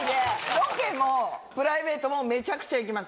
ロケもプライベートもめちゃくちゃ行きます。